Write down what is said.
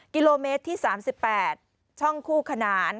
กิโลเมตรที่๓๘ช่องคู่ขนาน